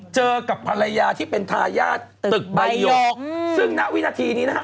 เจอกับภารายาที่เป็นท่ายาท